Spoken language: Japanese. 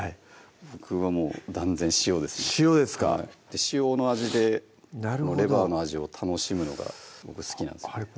僕はもう断然塩ですね塩ですか塩の味でレバーの味を楽しむのが僕好きなんですよねあれ？